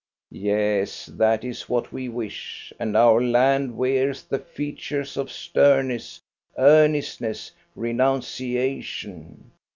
Yes, that is what we wish, and our land wears the features of sternness, earnestness, renunciation.